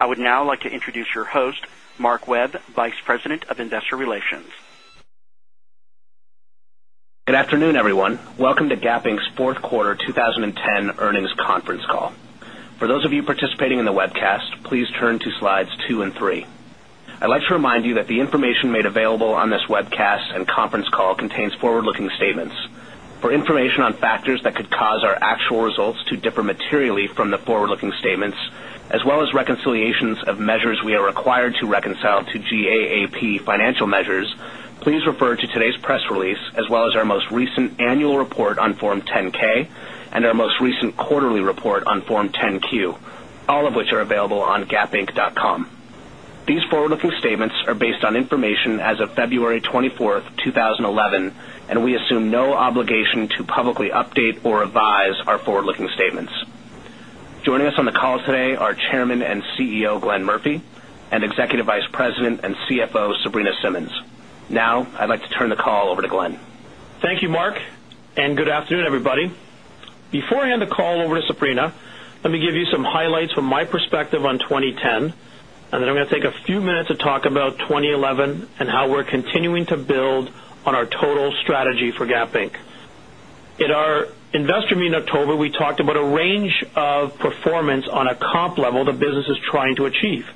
I would now like to introduce your host, Mark Webb, Vice President of Investor Relations. Good afternoon, everyone. Welcome to Gap Inc. 4th quarter 20 10 earnings conference call. For those of you participating in the webcast, please turn to Slides 23. I'd like to remind you that the information made available on this webcast and conference call contains forward looking statements. For information on factors that could cause our actual results to differ materially from the forward looking statements as well as reconciliations of measures we are required to reconcile to GAAP Financial Measures, please refer to today's press release as well as our most recent Annual Report on Form 10 ks and our most recent quarterly report on Form 10 Q, all of which are available on gapinc.com. These forward looking statements are based on information as of February 24, 2011, and we assume no obligation to publicly update or revise our forward looking statements. Joining us on the call today are Chairman and CEO, Glenn Murphy and Executive Vice President and CFO, Sabrina Simmons. Now, I'd like to turn the call over to Glenn. Thank you, Mark, and good afternoon, everybody. Before I hand the call over to Sabrina, let me give you some highlights from my perspective on 2010, and then I'm going to take a few minutes to talk about 2011 and how we're continuing to build on our total strategy for Gap Inc. In our Investor Meeting in October, we talked about a range of performance on a comp level the business is trying to achieve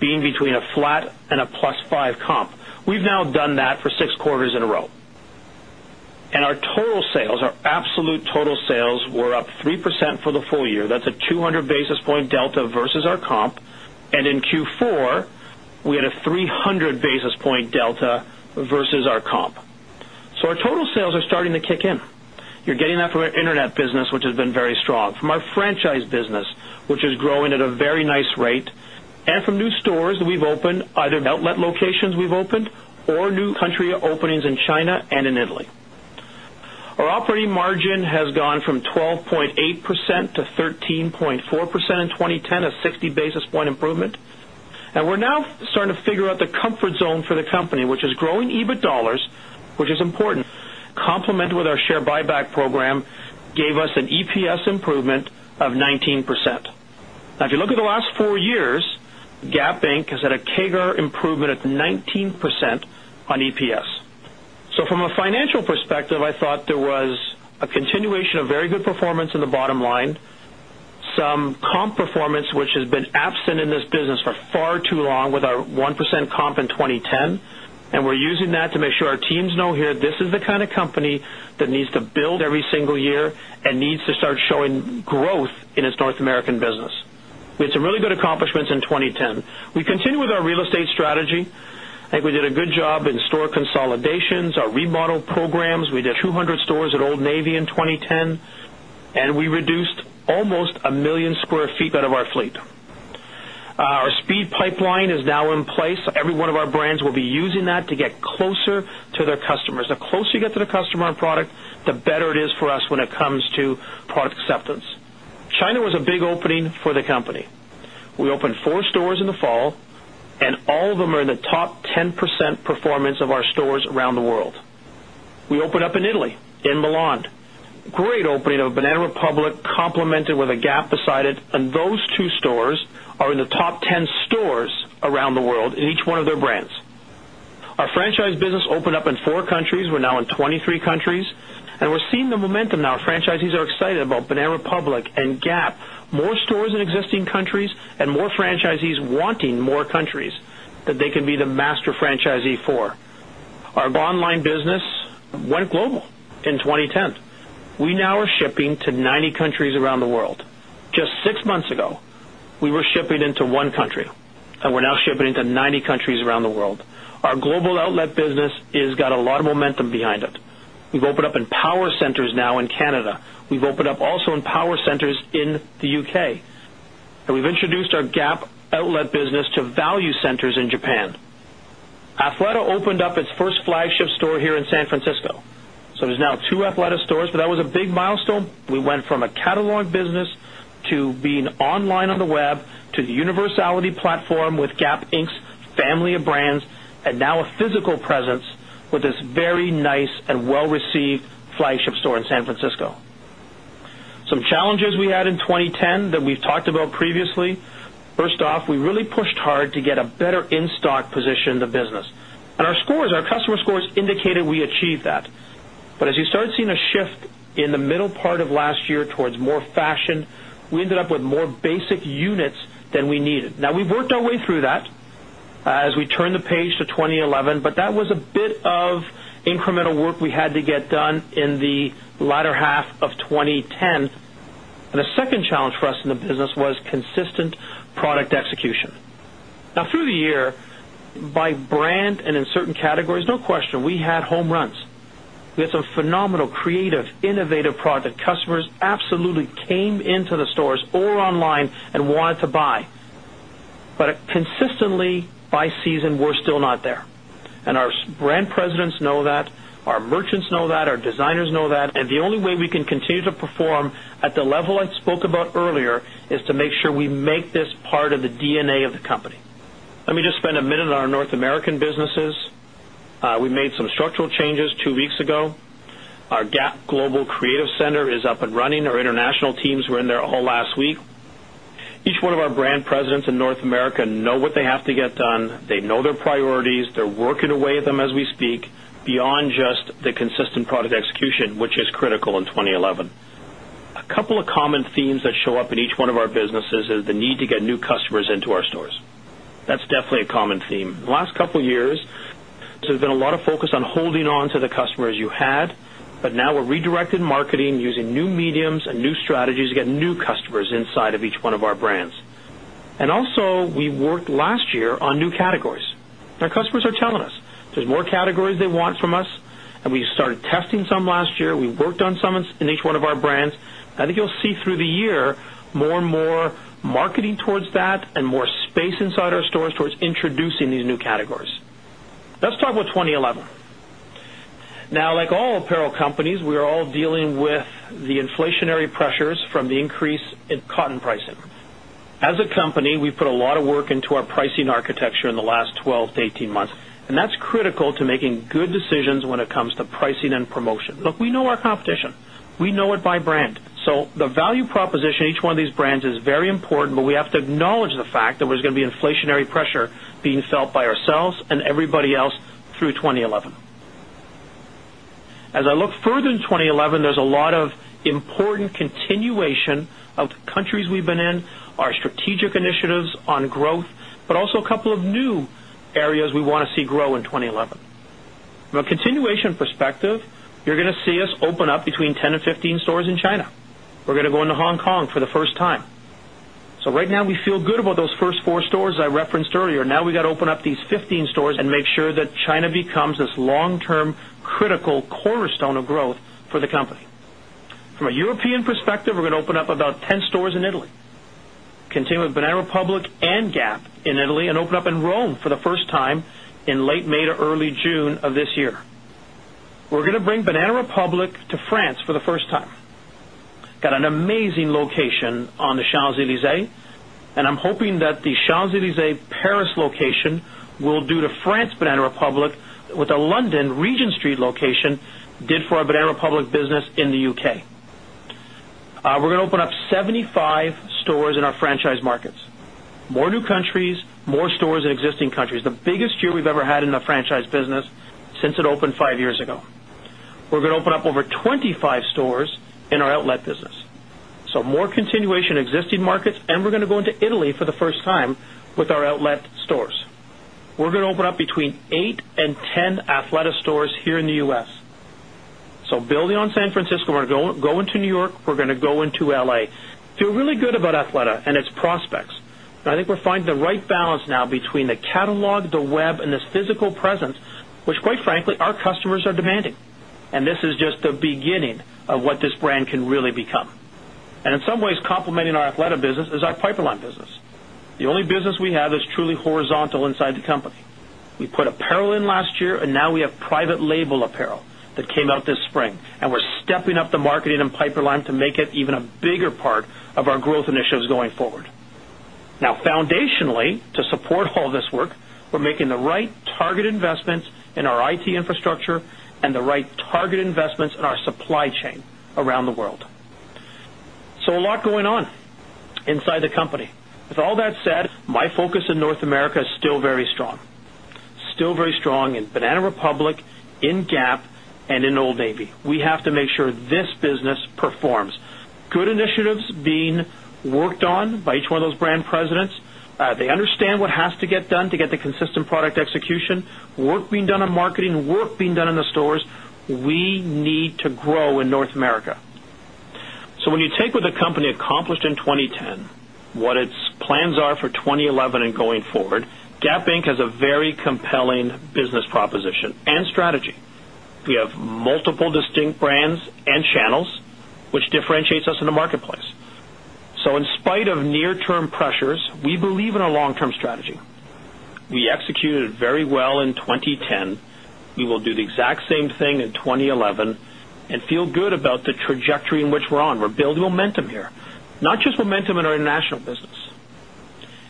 being between a flat and a plus 5 comp. We've now done that for 6 quarters in a row. And our total sales, our absolute total sales were up 3% for the full year. That's a 200 basis point delta versus our comp. And in Q4, we had a 300 basis point delta versus our comp. So our total sales are starting to kick in. You're getting that from our Internet business, which has been very strong, from our franchise business, which is growing at a very nice rate and from new stores that we've opened either outlet locations we've opened or new country openings in China and in Italy. Our operating margin has gone from 12.8% to 13.4% in 2010, a 60 basis point improvement. And we're now starting to figure out the comfort zone for the company, which is growing EBIT dollars, which is important, complemented with our share buyback program, gave us an EPS improvement of 19%. Now if you look at the last 4 years, Gap Inc. Has had a CAGR improvement of 19% on EPS. So from a financial perspective, I thought there was a continuation of very good performance 2010. And we're using that to make sure our teams know here this is the kind of company that needs to build every single year and needs to start showing growth in its North American business. We had some really good accomplishments in 2010. We continue with our real estate strategy. I think we did a good job in store consolidations, our remodel programs. We did 200 stores at Old Navy in 2010 and we reduced almost 1,000,000 square feet out of our fleet. Our speed pipeline is now in place. Every one of our brands will be using that to get closer to their customers. The closer you get to the customer product, the better it is for us when it comes to product acceptance. China was a big opening for the company. We opened 4 stores in the fall and all of them are in the top 10% performance of our stores around the world. We opened up in Italy, in Milan, great opening of Banana Republic, Italy, in Milan, great opening of Banana Republic complemented with a gap beside it and those two stores are in the top 10 stores around the world in each one of their brands. Our franchise business opened up in 4 countries. We're now in 23 countries and we're seeing the momentum now. Franchisees are excited about Banana Republic and Gap, more stores in existing countries and more franchisees wanting more countries that they can be the master franchisee for. Our online business went global in 2010. We now are shipping to 90 countries around the world. Just 6 months ago, we were shipping into 1 country and we're now shipping into 90 countries around the world. Our global outlet business has got a lot momentum behind it. We've opened up in power centers now in Canada. We've opened up also in power centers in the U. K. And we've introduced our GAP outlet business to value centers in Japan. Athleta opened up its first flagship store here in San Francisco. So there's now 2 Athleta stores, but that was a big milestone. We went from a catalog business to being online on the web to the universality platform with Gap Inc. Family of brands and now a physical presence with this very nice and well received flagship store in San Francisco. Some challenges we had in 2010 that we've talked about previously. First off, we really pushed hard to get a better in stock position in the business. And our customer scores indicated we achieved that. But as you start seeing a shift in the middle part of last year towards more fashion, we ended up with more basic units than we needed. Now we've worked our way through that as we turn the page to 2011, but that was a bit of incremental work we had to get done in the latter half of twenty ten. And the second challenge for us in the business was consistent product execution. Now through the year, by brand and in certain categories, no question, we had home runs. We had some phenomenal creative, innovative product that customers absolutely came into the stores or online and wanted to buy. But consistently, by season, we're still not there. And our brand presidents know that. Our merchants know that. Our designers know that. And the only way we can continue to perform at the level I spoke about earlier is to make sure we make this part of the DNA of the company. Let me just spend a minute on our North American businesses. We made some structural changes 2 weeks ago. Our Gap Global Creative Center is up and running. Our international teams were in there all last week. Each one of our brand presidents in North America know what they have to get done. They know their priorities. They're working away with them as we speak beyond just the consistent product execution, which is critical in 2011. A couple of common themes that show up in each one of our businesses is the need to get new customers into our stores. That's definitely a common theme. Last couple of years, there's been a lot of focus on holding on the customers you had, but now we're redirected marketing using new mediums and new strategies to get new customers inside of each one of our brands. And also, we worked last year on new categories. Our customers are telling us there's more categories they want from us and we started testing some last year. We worked on some in each one of our brands. I think you'll see through the year more and more marketing towards that and more space inside our stores towards introducing these new categories. Let's talk about 2011. Now like all apparel companies, we are all dealing with the inflationary pressures from the increase in cotton pricing. As a company, we put a lot of work into our pricing architecture in the last 12 to 18 months, and that's critical to making good decisions when it comes to pricing and promotion. We know our competition. We know it by brand. So, the value proposition in each one of these brands is very important, but we have to acknowledge the fact that there was going to be inflationary pressure being felt by ourselves and everybody else through 2011. As I look further in 2011, there's a lot of important continuation of countries we've been in, our strategic initiatives on growth, but also a couple of new areas we want to see grow in 2011. From a continuation perspective, you're going to see us open up between 10 and 15 stores in China. We're going to go into Hong Kong for the first time. So right now, we feel good about those first four stores I referenced earlier. Now we got to open up these 15 stores and make sure that China becomes this long term critical cornerstone of growth for the company. From a European perspective, we're going to open up about 10 stores in Italy, continue with Banana Republic and Gap in Italy and open up in Rome for the first time in late May to early June of this year. We're going to bring Banana Republic to France for the first time. Got an amazing location on the Champs Elysees, and I'm hoping that the Champs Elysees Paris location will do to France Banana Republic with the London Regent Street location did for our Banana Republic business in the U. K. We're going to open up 75 stores in our franchise markets, more new countries, more stores in existing countries, the biggest year we've ever had in the franchise business since it opened 5 years ago. We're going to open up over 25 stores in our outlet business. So more continuation in existing markets and we're going to go into Italy for the first time with our outlet stores. We're going to open up between 8 10 Athleta stores here in the U. S. So building on San Francisco, we're going to go into New York, we're going to go into LA. Feel really good about Athleta and its prospects. And I think we're finding the right balance now between the catalog, the web and this physical presence, which quite frankly our customers are demanding. And this is just the beginning of what this brand can really become. And in some ways, complementing our Athleta business is our pipeline business. The only business we have is truly horizontal inside the company. We put apparel in last year and now we have private label apparel that came out this spring and we're stepping up the marketing in pipeline to make it even a bigger part of our growth initiatives going forward. Now foundationally to support all this work, we're making the right target investments in our IT infrastructure and the right target investments in our supply chain around the world. So a lot going on inside the company. With all that said, my focus in North America is still very strong, still very strong in Banana Republic, in Gap and in Old Navy. We have to make sure this business performs. Good initiatives being worked on by each one of those brand presidents. They understand what has to get done to get the consistent product execution, work being done on marketing, work being done in the stores. We need to grow in America. So when you take what the company accomplished in 2010, what its plans are for 2011 and going forward, Gap Inc. Has a very compelling business proposition and strategy. We have multiple distinct brands and channels, which differentiates us in the marketplace. So in spite of near term pressures, we believe in our long term strategy. We executed very well in 2010. We will do the exact same thing in 2011 and feel good about the trajectory in which we're on. We're building momentum here, not just momentum in our international business.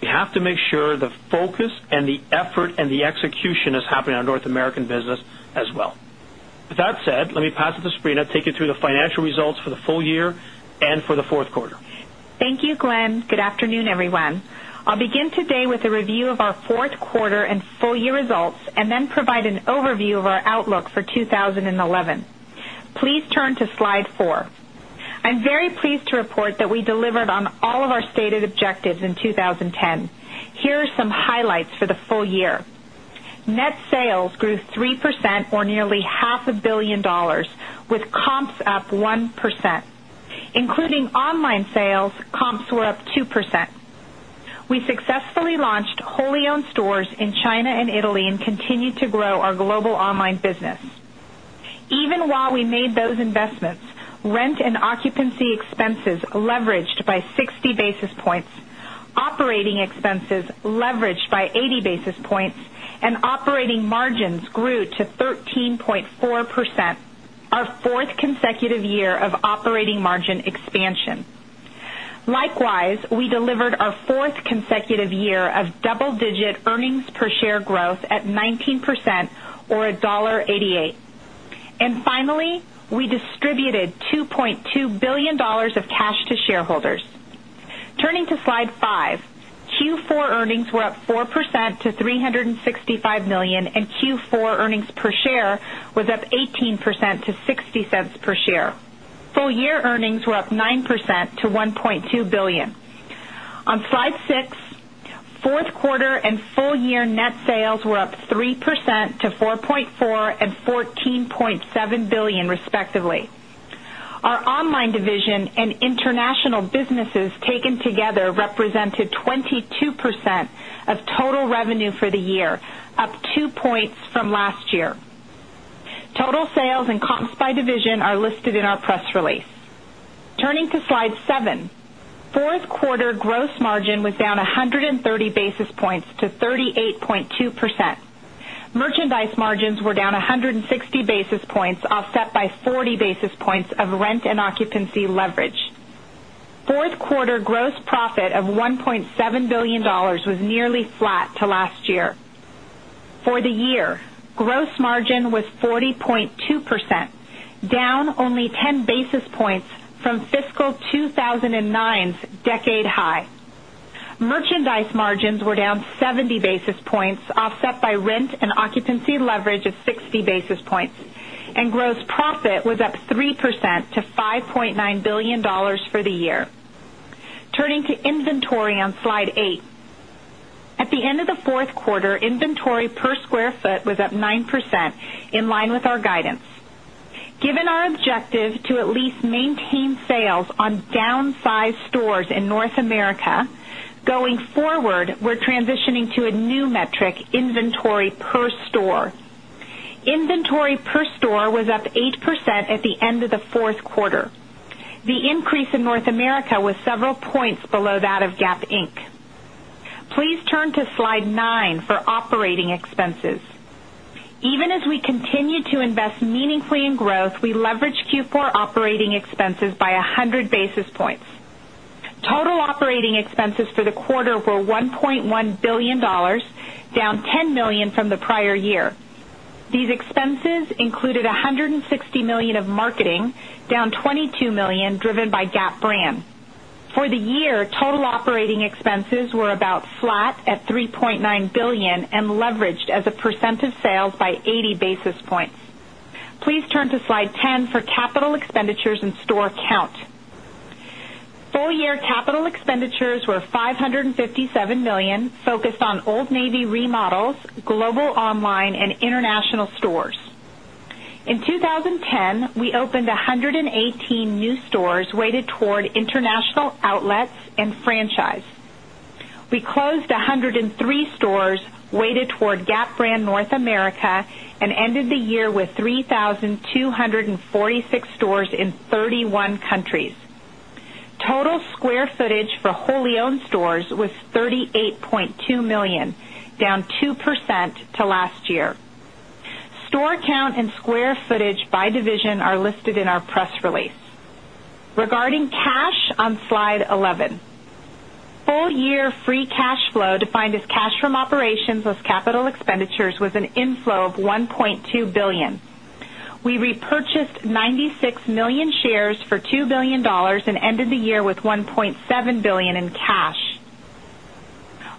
We have to make sure the focus and the effort and the execution is happening on North American business as well. With that said, let me pass it to Sabrina to take you through the financial results for the full year and for the Q4. Thank you, Glenn. Good afternoon, everyone. I'll begin today with a review of our 4th quarter and full year results and then provide an overview of our outlook for 2011. Please turn to Slide 4. I'm very pleased to report that we delivered on all of our stated objectives in 2010. Here are 10. Here are some highlights for the full year. Net sales grew 3% or nearly $500,000,000 with comps up 1%. Including online sales, comps were up 2%. We successfully launched wholly owned stores in China and Italy and continued to grow our global online business. Even while we made those investments, rent and occupancy expenses leveraged by 60 basis points, operating expenses leveraged by 80 basis points and operating margins grew to 13.4%, our 4th consecutive year of operating margin expansion. Likewise, we delivered our 4th consecutive year of double digit earnings per share growth at 19% or $1.88 And finally, we distributed $2,200,000,000 of cash to shareholders. Turning to Slide 5. Q4 earnings were up 4% to $365,000,000 and Q4 earnings per share was up 18% to $0.60 per $6.0 per share. Full year earnings were up 9 percent to $1,200,000,000 On Slide 6, 4th quarter and full year net sales were up 3% to 4.4 $1,000,000,000 respectively. Our online division and international businesses taken together represented 22% of total revenue for the year, up 2 points from last year. Total sales and comps by division are listed in our press release. Turning to Slide 7. 4th quarter gross margin was down 130 basis points to 38.2%. Merchandise margins were down 160 basis points, $1,700,000,000 was nearly flat to last year. For the year, gross margin was 40 point 2%, down only 10 basis points from fiscal 2,009's decade high. Merchandise margins were down 70 basis points offset by rent and occupancy leverage of 60 basis points and gross profit was up 3 percent to $5,900,000,000 for the year. Turning to inventory on Slide 8. At the end of the 4th quarter, inventory per square foot was up 9% in line with our guidance. Given our objective to at least maintain sales on downsized stores in North America, going forward, we're transitioning to a new metric, inventory per store. Inventory per store was up 8% at the end of the 4th quarter. The increase in North America was several points below that of Gap Inc. Please turn to Slide 9 for operating expenses. Even as we continue to invest meaningfully in growth, we leveraged Q4 operating expenses by 100 basis points. Total operating expenses for the quarter were $1,100,000,000 down $10,000,000 from the prior year. These expenses included $160,000,000 of marketing, down $22,000,000 driven by Gap brand. For the year, total operating expenses were about flat at $3,900,000,000 and leveraged as a percent of sales by 80 basis points. Please turn to Slide 10 for capital expenditures and store count. Full year capital expenditures were 5 $57,000,000 focused on Old Navy remodels, global online and international stores. In 2010, we opened 118 new stores weighted toward international outlets and franchise. We closed 103 stores weighted toward Gap Brand North America and ended the year with 3,246 stores in 31 countries. Total square footage for wholly owned stores was $38,200,000 down 2% to last year. Store count and square footage by division are listed in our press release. Regarding cash on Slide 11. Full year free cash flow defined as cash from operations as capital expenditures was an inflow of $1,200,000,000 We repurchased 96,000,000 shares for 2,000,000,000 dollars and ended the year with $1,700,000,000 in cash.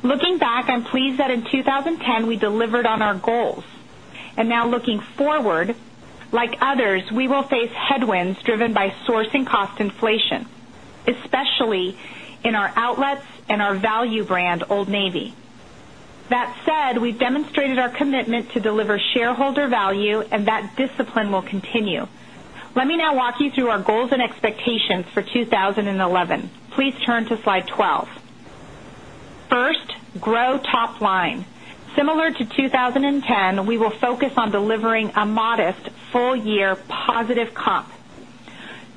Looking back, I'm pleased that in 2010, we delivered on our goals. And now looking forward, like others, we will face will face headwinds driven by sourcing cost inflation, especially in our outlets and our value brand Old Navy. That said, we've demonstrated our commitment to deliver shareholder value and that discipline will continue. Let me now walk you through our goals and expectations for 2011. Please turn to Slide 12. 1st, grow top line. Similar to 2010, we will focus on delivering a modest full year positive comp.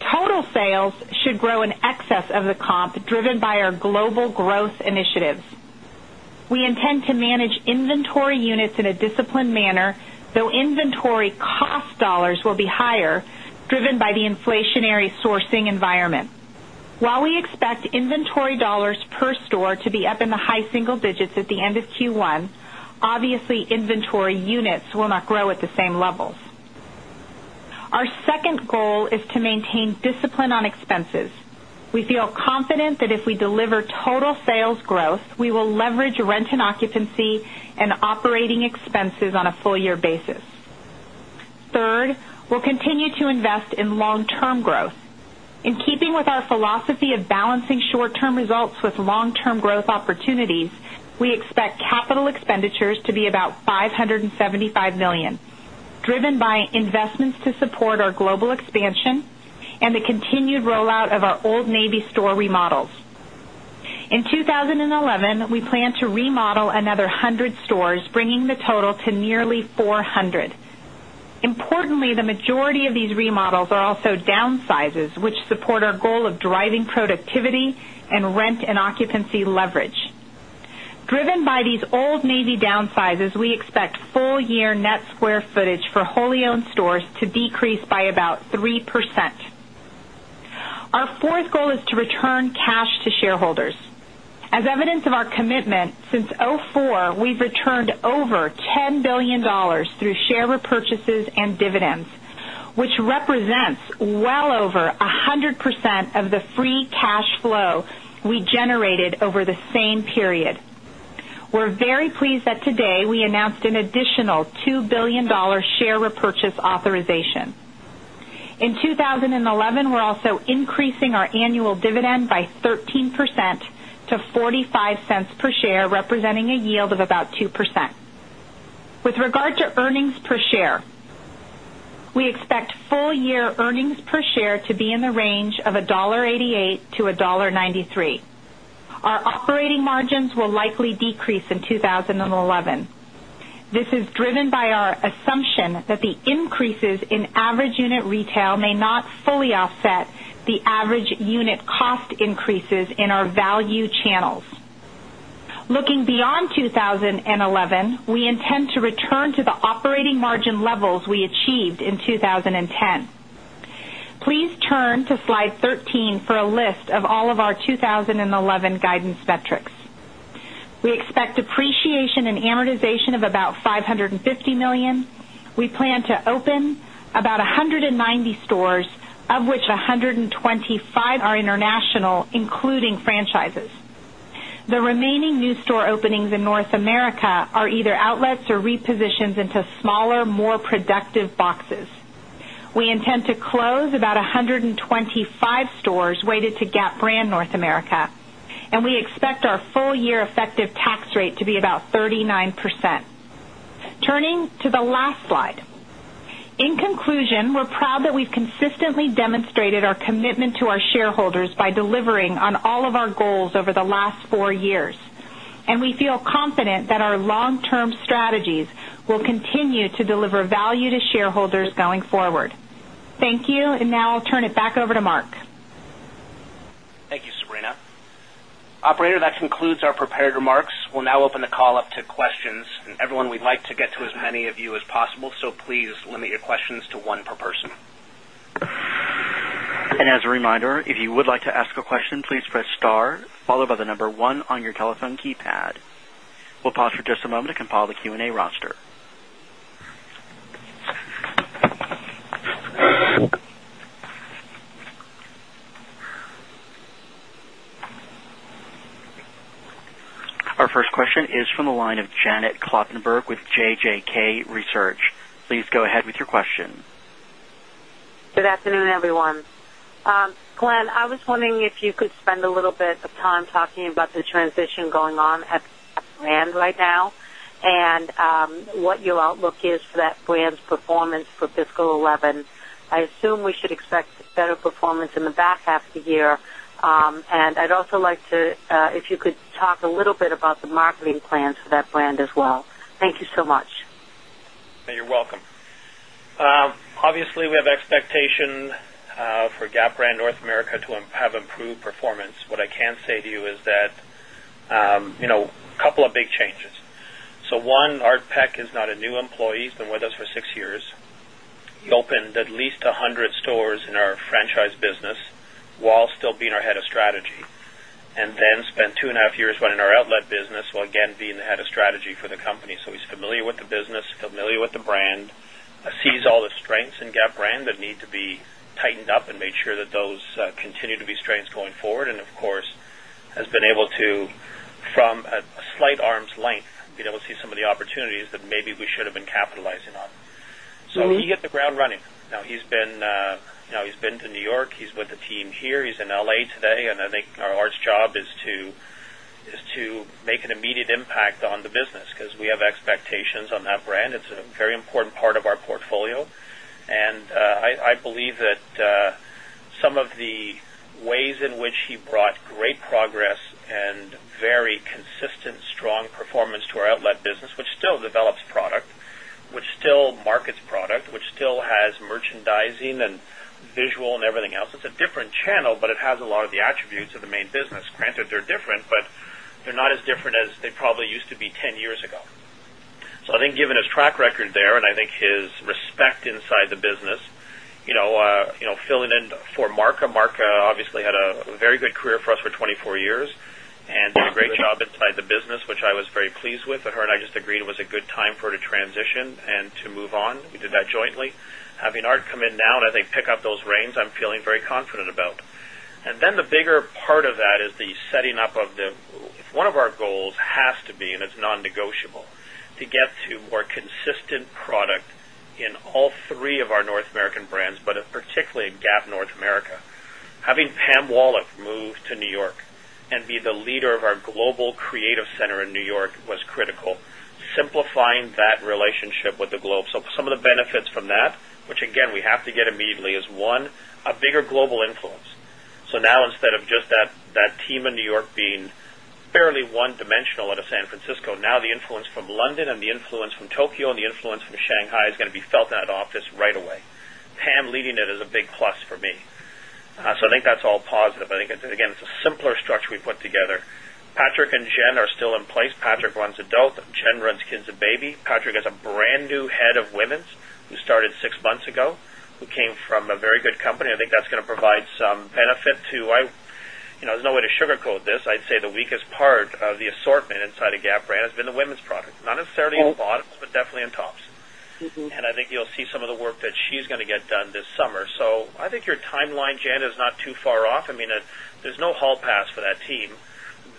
Total sales should grow in excess of the comp driven by our global growth initiatives. We intend to manage inventory units in a disciplined manner, though inventory cost dollars will be higher driven by the inflationary sourcing environment. While we expect inventory dollars per store to be up in the high single digits at the end of Q1, obviously inventory units will not grow at the same levels. Our second goal is to maintain discipline on expenses. We feel confident that if we deliver total sales growth, we will leverage rent and occupancy and operating expenses on a full year basis. 3rd, we'll continue to invest in long term growth. In keeping with our philosophy of balancing short term results with long term growth opportunities, we expect capital expenditures to be about $575,000,000 driven by investments to support our global expansion and the continued rollout of our Old Navy store remodels. In 2011, we plan to remodel another 100 stores, bringing the total to nearly 400. Importantly, the majority of these remodels are also downsizes, which support our goal of driving productivity and rent and occupancy leverage. Driven by these Old Navy down we expect full year net square footage for wholly owned stores to decrease by about 3%. Our 4th goal is to return cash to shareholders. As evidence of our commitment, since 2004, we've returned over 10 $1,000,000,000 through share repurchases and dividends, which represents well over 100% of the free cash flow we generated over the same period. We're very pleased that today we announced an additional $2,000,000,000 share repurchase authorization. In 2011, we're also increasing our annual dividend by 13% to 0.4 $5 per share representing a yield of about 2%. With regard to earnings per share, we expect full year earnings per share to be in the range of $1.88 to $1.93 Our operating margins will likely decrease in 2011. This is driven by our assumption that the increases in average unit retail may not fully offset the average unit cost increases in our value channels. Looking beyond 2011, we intend to return to the operating margin levels we achieved in 2010. Please turn to Slide 13 for a list of all of our 2011 guidance metrics. We expect depreciation and amortization of about $550,000,000 We plan to open about 190 stores, of which 125 are international, including franchises. The remaining new store openings in North America are either outlets or repositions into smaller, more productive boxes. We intend to close about 120 5 stores weighted to Gap Brand North America and we expect our full year effective tax rate to be about 39%. Turning to the last slide. In conclusion, we're proud that we've consistently demonstrated our commitment to our shareholders by delivering on all of our goals over the last 4 years. And we feel confident that our long term strategies will continue to deliver value to shareholders going forward. Thank you. And now I'll turn it back over to Mark. Thank you, Sabrina. Operator, that concludes our prepared remarks. We'll now open the call up to questions. And everyone, we'd like to get to as many of you as possible, so please limit your questions to 1 per person. Our first question is from the line of Janet Kloppenburg with JJK Research. Please go ahead with your Glenn, I was wondering if you could spend a little bit of time talking about the transition going on at the brand right now and what your outlook is for that brand's performance for fiscal 'eleven. I assume we should expect better performance for fiscal 'eleven? I assume we should expect better performance in the back half of the year. And I'd also like to if you could talk a little bit about the marketing plans for that brand as well. Thank you so much. You're welcome. Obviously, we have expectation for Gap Brand North America to have improved performance. What I can say to you is that, couple of big changes. So one, Art Peck is not a new employee, he's been with us for 6 years. He opened at least 100 stores in our franchise business, while still being our Head of Strategy. And then spent 2.5 years running our outlet business, while again being the Head of Strategy for the company. So he's familiar with the business, familiar with the brand, sees all the strengths in Gap brand that need to be tightened up and made sure that those continue to be strengths going forward and of course has been able to a slight arms length, we'd able to see some of the opportunities that maybe we should have been capitalizing on. So he hit the ground running. Now he's been to New York, he's with the team here, he's in L. A. Today and I Art's job is to make an immediate impact on the business because we have expectations on that brand. It's a very important part of our portfolio. And I believe that some of the ways in which he brought great progress and very consistent strong performance to our outlet business, which still develops product, which still markets product, which still has merchandising and visual and everything else, it's a different channel, but it has a lot of the attributes of the main business, granted they're different, but channel, but it has a lot of the attributes of the main business, granted they're different, but they're not as different as they probably used to be 10 years ago. So I think given his track record there and I think his respect inside the business, filling in for Marka. Marka obviously had a very good career for us for 24 years and did a great job inside the business which I was very pleased with. Her and I just agreed it was a good time for her to transition and to move on. We did that jointly. Having Art come in now and I think pick up those reins, I'm feeling very confident about. And then the bigger part of that is the setting up of the one of our goals has to be and it's non negotiable to get to more consistent product in all three of our North American brands, but Gap North America. Having Pam Wallach move to New York and be the leader of our global creative center in New York was critical, simplifying that relationship with the globe. So some of the benefits from that, which again we have to get immediately is 1, a bigger global influence. So now instead of just that team in New York being fairly one dimensional at San Francisco, now the influence from London and the influence from Tokyo and the influence from Shanghai is going to be felt office right away. Pam leading it is a big plus for me. So I think that's all positive. I think again it's a simpler structure we put together. Patrick and Jen are still in place. Patrick runs adult, Jen runs Kids and Baby. Patrick is a brand new head of women's who started 6 months ago, who came from a very good company. I think that's going to provide some benefit to I there's no way to sugarcoat this. I'd say the weakest part of the assortment inside of Gap brand has been the women's product, not necessarily in bottoms, but definitely in tops. And I think you'll see some of the work that she's going to get done this summer. So I think your timeline, Jan, is not too far off. I mean, there's no hall pass for that team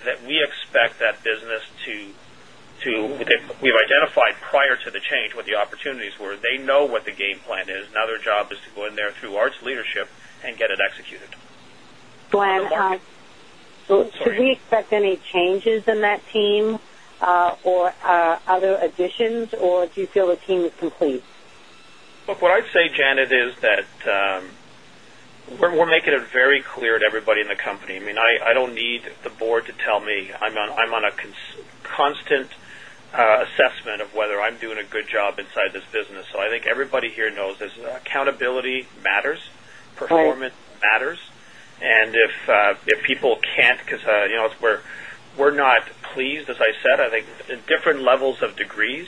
that we expect that business to we've identified prior to the change what the opportunities were. They know what the game plan is. Identified prior to the change what the opportunities were. They know what the game plan is. Now their job is to go in there through Art's leadership and get it executed. Glenn, should we expect any changes in Look, what I'd say, Janet, is that we're making it very clear to everybody in the company. I mean, I don't need the Board to tell me, I'm on a constant assessment of whether I'm doing a good job inside this business. So I think everybody here knows this accountability matters, performance matters. And if people can't, we're not pleased as I said, I think different levels of degrees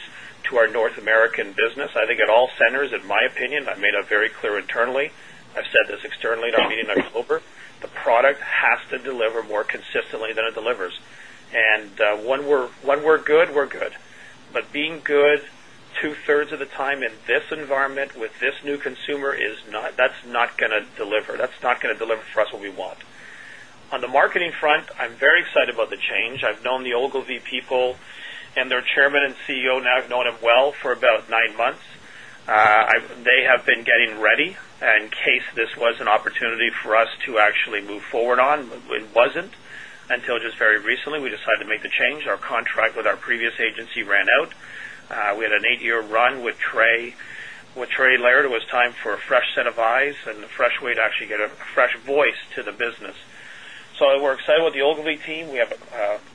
to our North American business. I think at all centers in my opinion, I made it very clear internally. I've said this externally in our meeting in October, the product has to deliver more consistently than it delivers. And when we're good, we're good. But being good 2 thirds of the time in this environment with this new consumer is not that's not going to deliver. That's not going to deliver for us what we want. On the marketing front, I'm very excited about the change. I've known the Ogilvy people and their Chairman and CEO now have known them well for about 9 months. They have been getting ready in case this was an opportunity for us to actually move forward on. It wasn't until just very recently we decided to make the change. Our contract with our previous agency ran out. We had an 8 year run with Trey. With Trey Laird, it was time for a fresh set of eyes and the fresh way to get a fresh voice to the business. So we're excited with the Ogilvy team. We have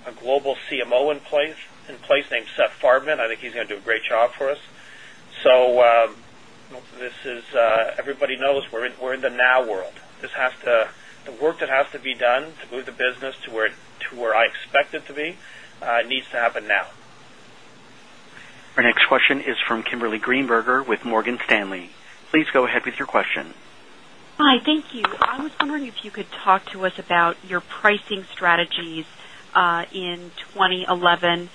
a global CMO in place named Seth Farben. I think he's going to do a great job for us. So this is everybody knows we're in the now world. This has to the work that has to be done to move the business to where I expect it to be needs to happen now. Our next question is from Kimberly Greenberger with Morgan Stanley. Please go ahead with your question. Hi, thank you. I was wondering if you could talk to us about your pricing strategies in 2011.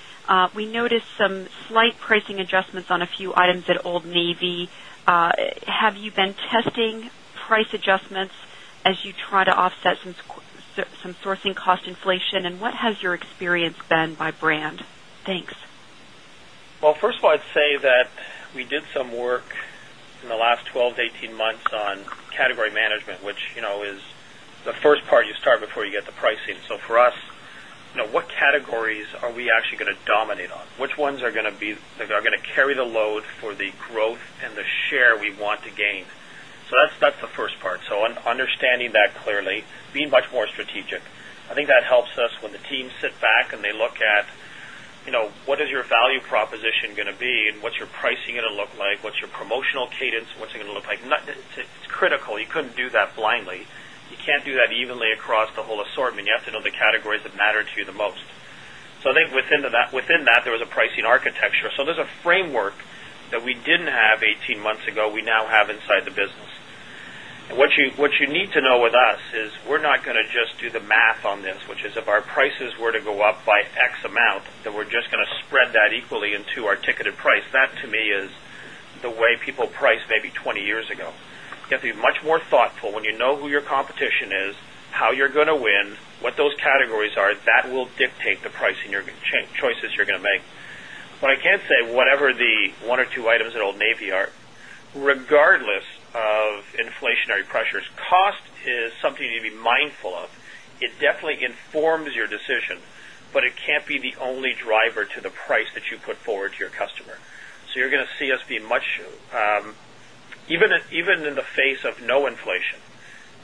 We noticed some slight pricing adjustments on a few items at Old Navy. Have you been testing price adjustments as you try to offset some sourcing cost inflation and what has your experience been by brand? Thanks. Well, first of all, I'd say that we did some work in the last 12 months to 18 months on category management, which is the first part you start before you get the pricing. So for us, what categories are we actually going to dominate on? Which ones are going to be are going to carry the load for the growth and the share we want to gain? So that's the first part. So understanding that clearly, being much more strategic. I think that helps us when the team sit back and they look at what is your value proposition going to be? What's your pricing going to look like, what's your promotional cadence, what's it going to look like. It's critical, you couldn't do that blindly. You can't do that evenly across the whole assortment. You have to know the categories that matter to you the most. So I think within that there was a pricing architecture. So there is a framework that we didn't have 18 months ago, we now have inside the business. And what you need to know with us is we're not going to just do the math on this, which is if our prices were to go up by X amount, that we're just going to spread that equally into our ticketed price. That to me is the way people priced maybe 20 years ago. You have to be much more thoughtful when you know who your competition is, how you're going to win, what those categories are, that will dictate the pricing choices you're going to make. What I can say, whatever the 1 or 2 items at Old Navy are, regardless of inflationary pressures, cost is something you need to be mindful of. It definitely informs your decision, but it can't be the only driver to the price that you put forward to your customer. So you're going to see us be much even in the face of no inflation,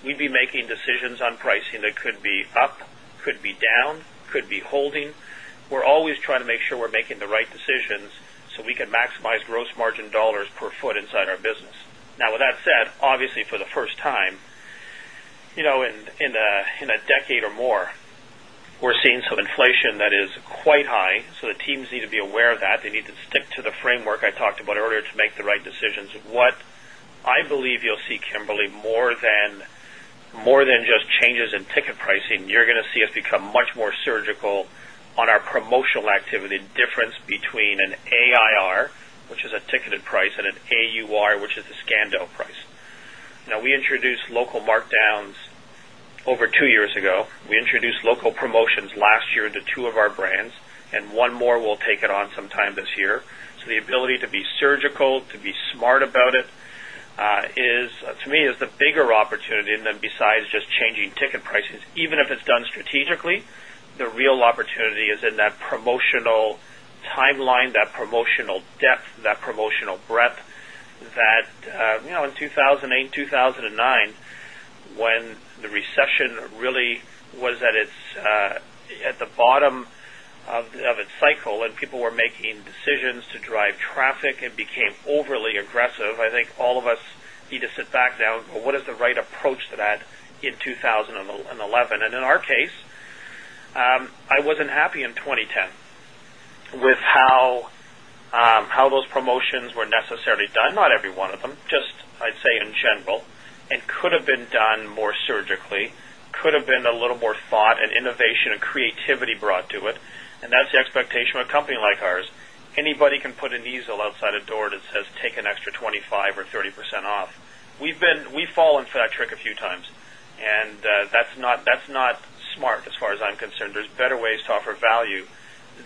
we'd be making decisions on pricing that could be up, could be down, could be holding. We're always trying to make sure we're making the right decisions so we can maximize gross dollars per foot inside our business. Now with that said, obviously for the first time, in a decade or more, we're seeing some inflation that is quite high. So the teams need to be aware of that. They need to stick to the framework I talked about earlier make the right decisions. What I believe you'll see, Kimberly, more than just changes in ticket pricing, you're going to see us become much more surgical on our promotional activity, difference between an AIR, which is a ticketed price and an AUR, which is a Scando price. Now we introduced local markdowns over 2 years ago. We introduced local promotions last year into 2 of our brands and one more will take it on some time this year. So the ability to be surgical, to be smart about it is to me is the bigger opportunity and then besides just changing ticket prices even if it's done strategically, the real opportunity is in that promotional time line, that promotional depth, that promotional breadth that in 2,008, 2009 when the recession really was at the bottom of its cycle and people were making decisions to drive traffic and became overly aggressive, I think all of us need to sit back down what is the right approach to that in 2011. And in our case, I wasn't happy in 2010 with how those promotions were necessarily done, not every one of them, just I'd say in general, and could have been done more surgically, could have been a little more thought and innovation and creativity brought to it. And that's the expectation of a company like ours. Anybody can put an easel outside the door that says take an extra 25% or 30% off. We've been we fall in fact trick a few times. And that's not smart as far as I'm concerned. There's better ways to offer value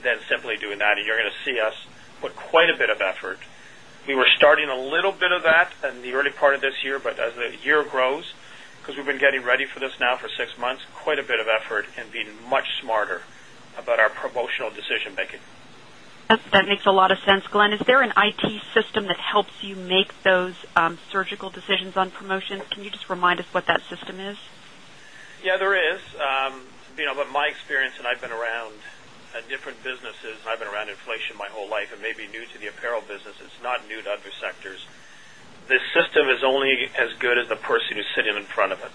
than doing that. And you're going to see us put quite a bit of effort. We were starting a little bit of that in the early part of this year, but as the year grows, because we've been getting ready for this now for 6 months, quite a bit of effort and being much smarter about our promotional decision making. Yes, That makes a lot of sense, Glenn. Is there an IT system that helps you make those surgical decisions on promotions? Can you just remind us what that system is? Yes, there is. My experience and I've been around different businesses, I've been around inflation my whole life and maybe new to the apparel business, it's not new to other sectors. This system is only as good as the person who's sitting in front of it.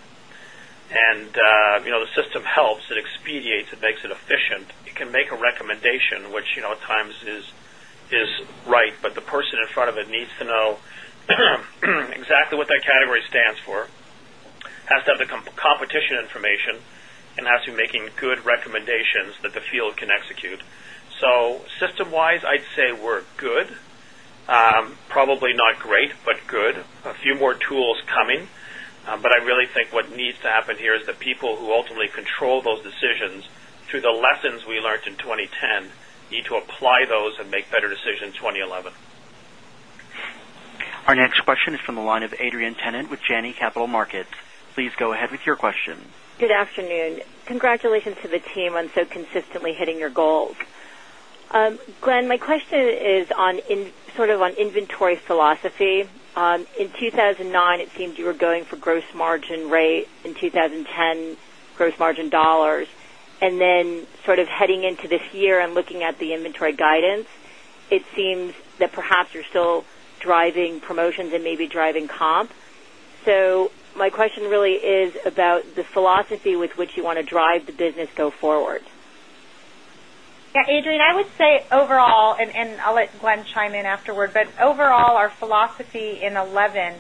And the system helps, it expediates, it makes it efficient. It can make a recommendation, which at times is right, but the person in front of it needs to know exactly what that category stands for, has to have the competition information and has to be making good recommendations that the field can execute. So system wise, I'd say we're good, probably not great, but good, a few more tools coming. But I really think what needs to happen here is the people who ultimately control those decisions through the lessons we learned in 2010 need to apply those and make better decisions in 2011. Our next question is from the line of Adrienne Tennant with Janney Capital Markets. Please go ahead with your question. Good afternoon. Congratulations to the team on so consistently hitting your goals. Glenn, my question is on sort of on inventory philosophy. In 2,009, it seems you were going for gross margin rate in 20.10 gross margin dollars. And then sort of heading into this year and looking at the inventory guidance, it seems that perhaps you're still driving Yes. Adrienne, I would say overall and I'll let Glenn chime in afterward. But overall, our philosophy in 2011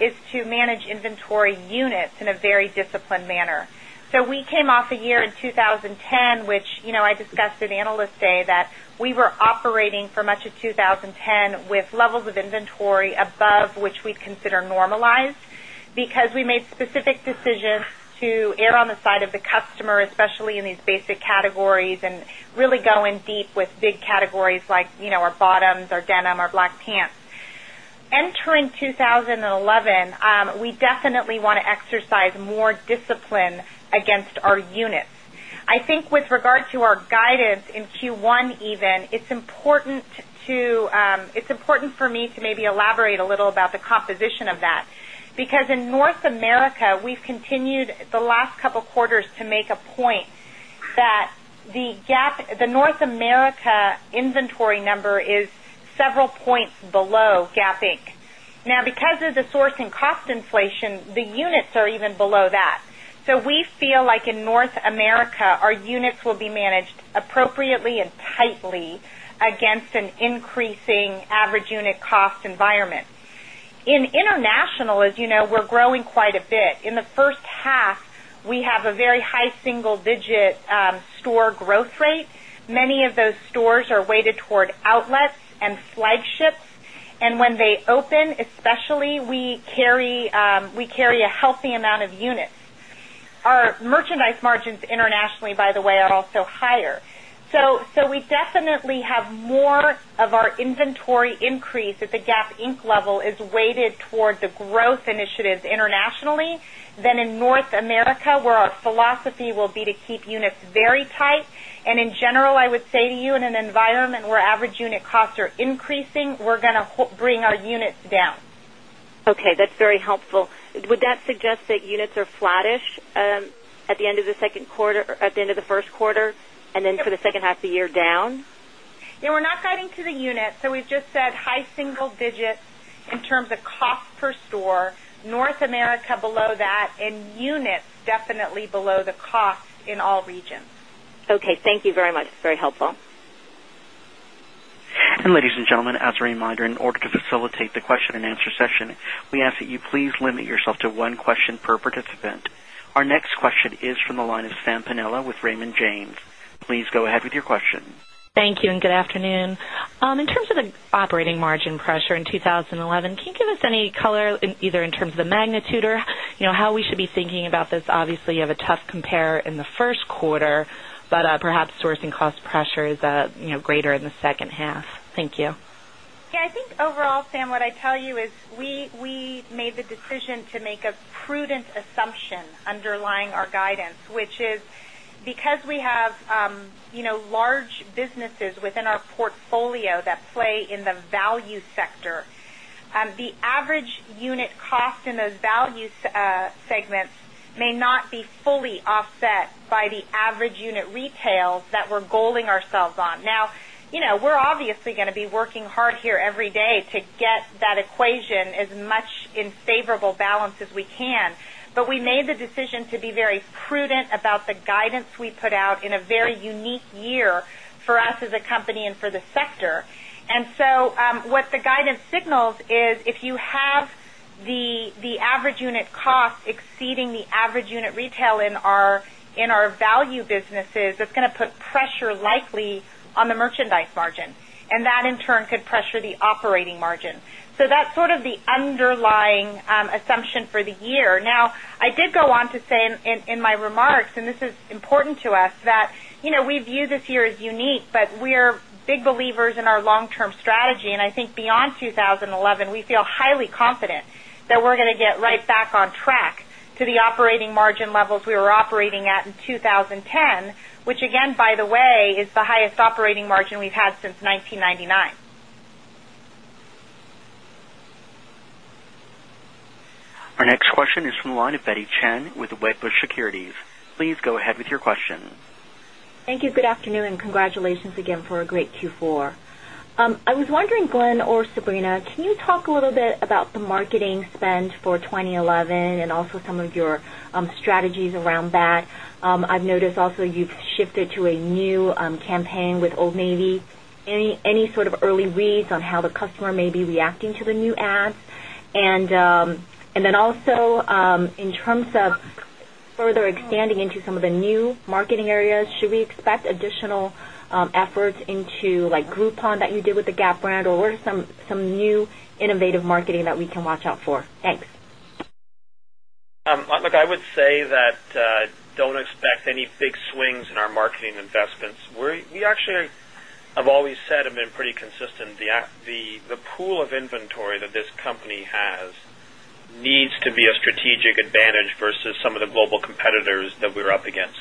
is to manage inventory units in a very disciplined manner. So we came off a year in 2010, which I discussed at Analyst Day that we were operating for much of 2010 with levels of inventory above which we'd consider normalized because we made specific decisions to on the side of the customer, especially in these basic categories and really going deep with big categories like our bottoms, our denim, our black pants. Entering 2011, we definitely want to exercise more discipline against our units. I think with regard to our guidance in Q1 even, it's important to it's important for me to maybe elaborate a little about the composition of that. Because in North America, we've continued the last couple of quarters to make a point that the GAAP the North America inventory number is several points below GAAP Inc. Now because of the sourcing cost inflation, the units are even international, as you know, we're growing quite a bit. In the first half, we have a very high single digit store growth rate. Many of those stores are weighted toward outlets and flagships. And when they open, especially, we carry a healthy amount of units. Our merchandise margins internationally, by the way, are also higher. So we definitely have more of our inventory increase at the Gap Inc. Level is weighted towards the growth initiatives internationally than in North America, where our philosophy will be to keep units very tight. And in general, I would say to you in an environment where average unit costs are increasing, we're going to bring our units down. Okay. That's very helpful. Would that suggest that units are flattish at the end of the second quarter at the end of the first quarter and then for the second half of the year down? Yes. We're not guiding to the unit. So we've just said high single digits in terms of cost per store, North America below that and units definitely below the cost in all regions. Okay. Thank you very much. Very helpful. Our next question is from the line of Sam Panella with Raymond James. Please go ahead with your question. You and good afternoon. In terms of the operating margin pressure in 2011, can you give us any color either in terms of the magnitude or how we should be thinking about this? Obviously, you have a tough compare in the Q1, but perhaps sourcing cost pressure is greater in the second half. Thank you. Yes. I think overall, Sam, what I'd tell you is we made the decision to make a prudent assumption underlying our guidance, which is because we have large businesses within our portfolio that play in the value sector, the average unit cost in those value segments may not be fully offset by the average unit retail that we're goaling ourselves on. Now we're obviously going to be working hard here every day to get that equation as much in favorable balance as we can. But we made the decision to be very prudent about the guidance we put out in a very unique year for us as a company and for the sector. And so, what the guidance signals is if you have the average unit cost exceeding the average unit retail in our value businesses, that's going to put pressure likely on the merchandise margin. And that in turn could pressure the operating margin. So that's sort of the underlying assumption for the year. Now I did go on to say in my remarks, and this is important to us, that we view this year as unique, but we are big believers in our long term strategy. And I think beyond 2011, we feel highly confident that we're going to get right back on track to the operating margin levels we were operating at in 2010, which again, by the way, is the highest operating margin we've had since 1999. Our next question is from the line of Betty Chen with Wedbush Securities. Please go ahead with your question. Thank you. Good afternoon and congratulations again for a great Q4. I was wondering, Glenn or Sabrina, can you talk a little bit about the marketing spend for 20 11 and also some of your strategies around that? I've noticed also you've shifted to a new campaign with Old Navy. Any sort of early reads on how the customer may be reacting to the new ads? And then also, in terms of further expanding into some of the new marketing areas, should we expect additional efforts into like Groupon that you did with the Gap brand? Or what some new innovative marketing that we can watch out for? Thanks. Look, I would say that don't expect any big swings in our marketing investments. We actually have always and been pretty consistent, the pool of inventory that this company has needs to be a strategic advantage versus some of the global competitors that we're up against.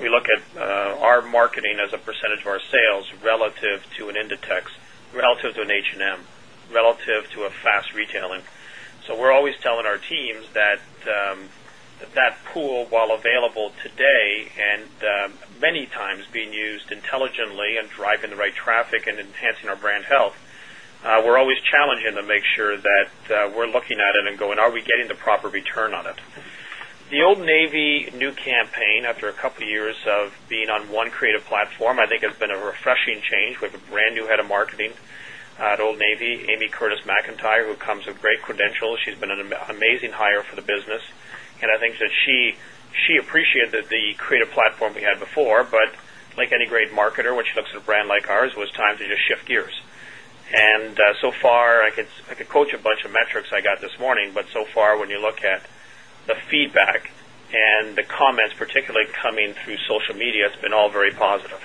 We look at our marketing as a percentage of our sales relative to an Inditex, relative to an H and M, relative to a fast retailing. So we're always telling our teams that that pool while available today and many times being used intelligently and driving the right platform, I think it's been a refreshing change with a brand new head of marketing at Old Navy, Amy Curtis McIntyre, who comes with great credentials. She's been an amazing hire for the business. And I think that she appreciated the creative platform we had before, but like any great marketer, when she looks at a brand like ours, it was time to just shift gears. And so far, I could coach a bunch of metrics I got this morning, but so far when you look at the feedback and the comments particularly coming through social media, it's been all very positive.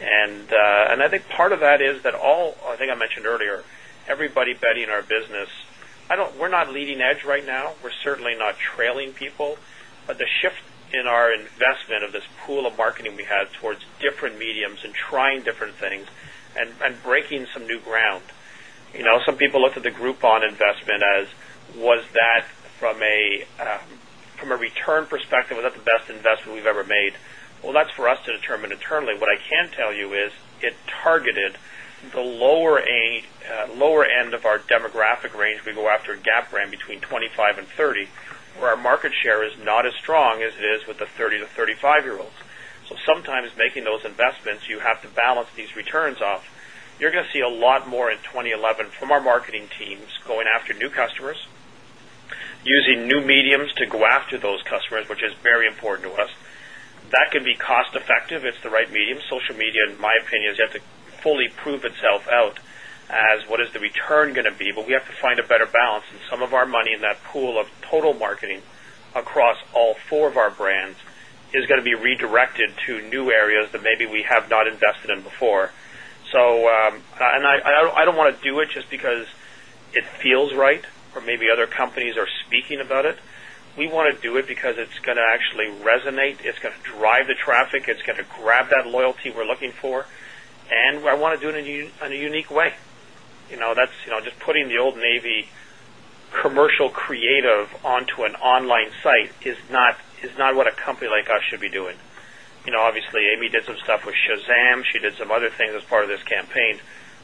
And I think part of that is that all I think I mentioned earlier, everybody betting our business, I don't we're not leading edge right now. We're certainly not trailing people. But the shift in our investment of this pool of marketing we had towards different mediums and trying different things and breaking some new ground. Some people look at the Groupon investment as was that from a return perspective, was that the best investment we've ever made? Well, that's for us to determine internally. What I can tell you is it targeted the lower end of our demographic range. We go after a gap between 25 30 where our market share is not as strong as it is with the 30 to 35 year olds. So sometimes making those investments you have to balance these returns off. You're going to see a lot more in 2011 from our marketing teams going after new customers, using new mediums to go after those customers, which is very important to us. That can be cost effective. It's the right medium. Social media in my opinion is yet to can be cost effective. It's the right medium. Social media, in my opinion, is yet to fully prove itself out as what is the return going to be, but we have to find a better balance and some of our money in that pool of total marketing across all four of our brands is going to be redirected to new areas that maybe we have not invested in before. So, and I don't want to do it just because it feels right or maybe other companies are speaking about it. We want to do it because it's going to actually resonate, it's going to drive the traffic, it's going to grab that unique way. That's just putting the Old Navy commercial creative onto an online site, is not what a company like us should be doing. Obviously, Amy did some is not what a company like us should be doing. Obviously, Amy did some stuff with Shazam, she did some other things as part of this campaign.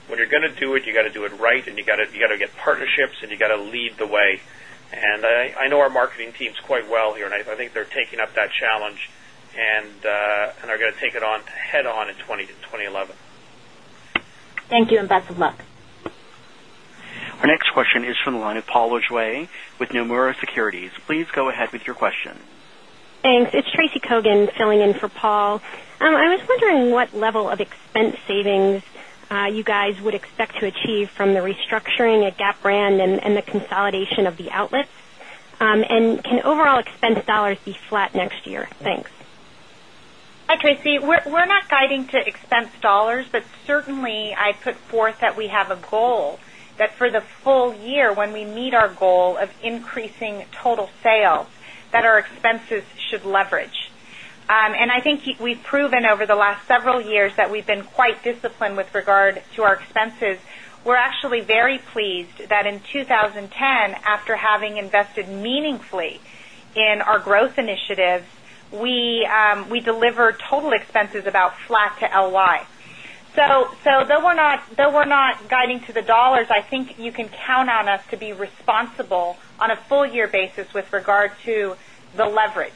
When you're going to do it, you got to do it right and you got to get partnerships and you got to lead the way. And I know our marketing teams quite well here and I think they're taking up that challenge and are going to take it on head on in 20 to 20 11. Thank you and best of luck. Our next question is from the line of Paul Lejuez with Nomura Securities. Please go ahead with your question. Thanks. It's Tracy Kogan filling in for Paul. I was wondering what level of expense savings you guys would expect to achieve from the restructuring at Gap brand and the consolidation of the outlets? And can overall expense dollars be flat next year? Thanks. Hi, Tracy. We're not guiding to expense dollars, but certainly, I put forth that we have a goal that for the full year when we meet our goal of increasing total sales that our expenses should leverage. And I think we've proven over the last several years that we've been quite disciplined with regard to our expenses. We're actually very pleased that in 2010, after having invested meaningfully in our growth initiatives, we delivered total expenses about flat to LY. So though we're not guiding to the dollars, I think you can count on us to be responsible on a full year basis with regard to the leverage.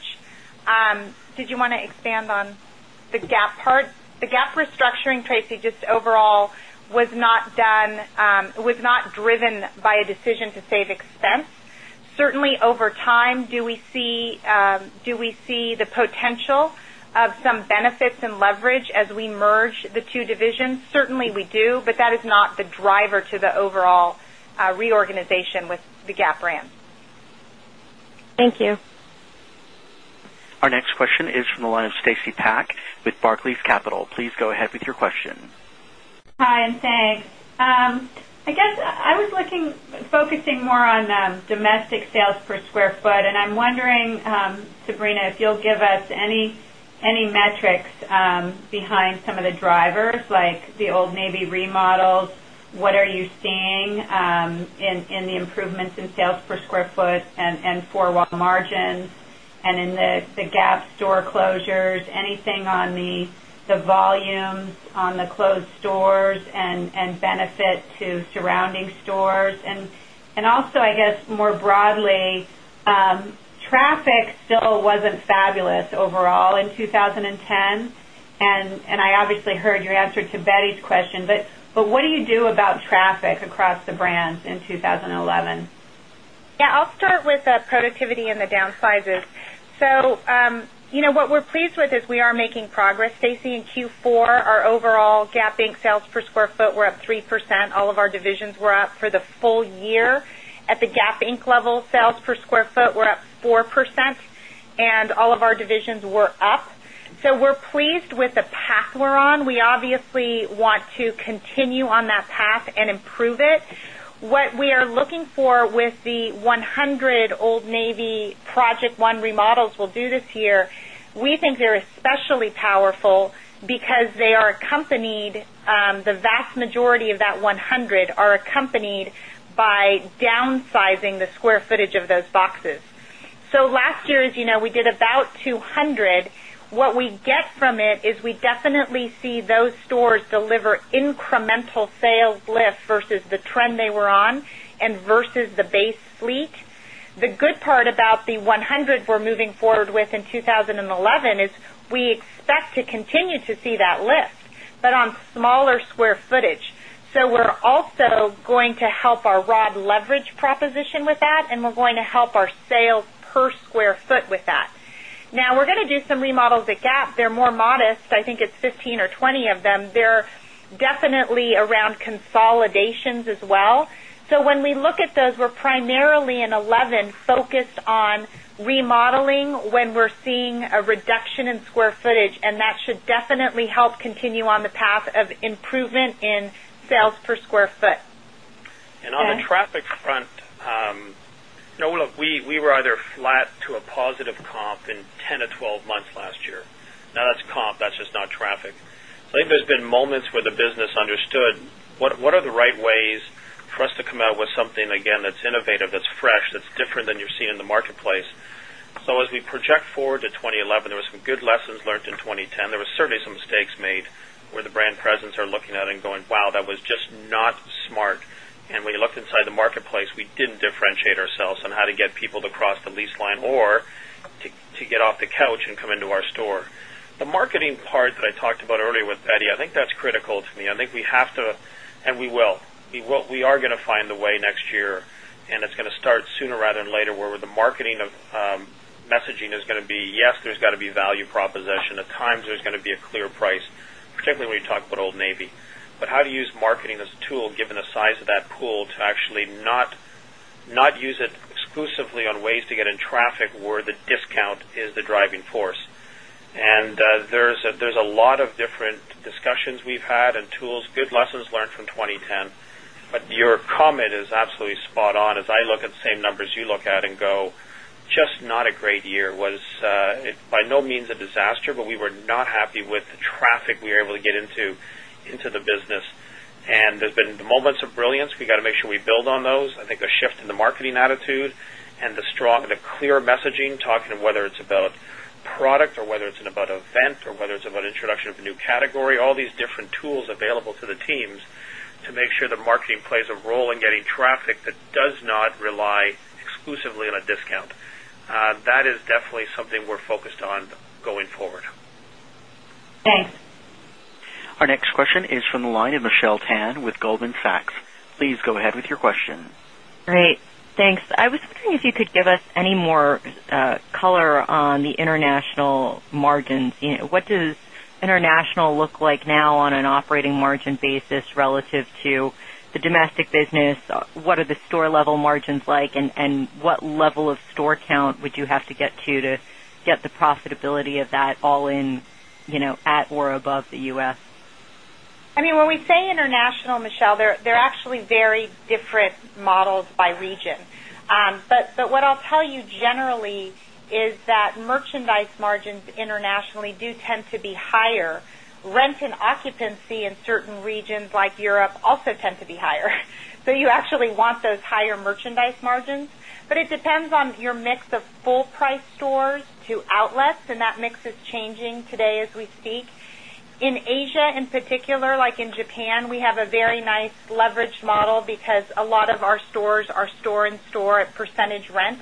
Decision to save expense. Certainly, over time, do we see a decision to save expense. Certainly, over time, do we see the potential of some benefits and leverage as we merge the 2 divisions? Certainly, we do, but that is not the driver to the overall reorganization with the Gap brand. Thank you. Our next question is from the line of Stacy Pack with Barclays Capital. Please go ahead with your question. Hi, and thanks. I guess, I was looking focusing more on domestic sales per square foot and I'm wondering Sabrina if you'll give us any metrics behind some of the drivers like the Old Navy remodels. What are you seeing in the improvements in sales per square foot and 4 wall margins? And in the Gap store closures, anything on the volumes on the closed stores and benefit to surrounding stores? And also, I guess, more broadly, traffic still wasn't fabulous overall in 2010. And I obviously heard your answer to Betty's question. But what do you do about traffic across the brands in 2011? Yes. I'll start with productivity and the downsizes. So what we're pleased with is we are making progress, Stacy, in Q4. Our overall GAAP Inc. Sales per square foot were up 3%. All of our divisions were up for the full year. At the GAAP Inc. Level, sales per Inc. Sales per square foot were up 3%. All of our divisions were up for the full year. At the GAAP Inc. Level, sales per square foot were up 4%, and all of our divisions were up. So we're pleased with the path we're on. We obviously want to continue on that path and improve it. What we are looking for with the boxes. Accompanied by downsizing the square footage of those boxes. So last year, as you know, we did about 200. What we get from it is we definitely see those stores deliver incremental sales lift versus the trend they were on and versus the base fleet. The good part about the 100 we're moving forward with in 2011 is we expect to continue to see that lift, but on smaller square footage. So we're also going to help our rod leverage proposition with that and we're going to help our sales per square foot with that. Now we're going to do some remodels at Gap. They're more modest. I think it's 15 or 20 of them. They're definitely around consolidations as well. So when we look at those, we're primarily in 2011 focused on remodeling when we're seeing a reduction in square footage and that should definitely help continue on the path of improvement in sales per square foot. And on the traffic front, we were either flat to a positive comp in 10 to 12 months last year. Now that's comp, that's just not traffic. So I think there's been moments where the business understood what are the right ways for us to come out with something that's innovative, that's fresh, that's different than you're seeing in the marketplace. So as we project forward to 2011, there were some good lessons learned in 2010. There were certainly some mistakes made where the brand presence are looking at and going, wow, that was just not smart. And when you look inside the marketplace, we didn't differentiate ourselves on how to get people to cross the lease line or to next year and it's going to start sooner rather than later where the marketing of messaging is going to be, yes, there's got to be value proposition, at times there's going to be a clear price, particularly when you talk about Old Navy. But how to use marketing as a tool given the size of that pool to actually not use it exclusively on ways to get in traffic where the discount is the driving force. And there's a lot of different discussions we've had and tools, good lessons learned from 2010. But your comment is absolutely spot on. As I look at the same numbers you look at and go, just not a great year, was by no means a disaster, but we were not happy with the traffic we were able to get into the business. And there's been moments of brilliance, we've got to make sure we build on those. I think a shift in the marketing attitude and the strong, the clear messaging, talking of whether it's about product or whether it's about event or whether it's about introduction of a new category, all these different tools available to the teams to make sure that marketing plays a role in getting traffic that does not rely exclusively on a discount. That is definitely something we're focused on forward. Thanks. Our next question is from the line of Michelle Tan with Goldman Sachs. Please go ahead with your question. Great, thanks. I was wondering if you could give us any more color on the international margins. What does international look like now on an operating margin basis relative to the domestic business? What are the store level margins like? And what level of store count would you have to get to get the profitability of that all in at or above the U. S? I mean, when we say international, Michelle, they're actually very different models by region. But what I'll tell you generally is that merchandise margins internationally do tend to be higher. Rent and occupancy in certain regions like Europe also tend to be higher. So you actually want those higher merchandise margins. But it depends your mix of full price stores to outlets and that mix is changing today as we speak. In Asia, in particular, like in Japan, we have a very nice leverage model because a lot of our stores are store in store at percentage rent.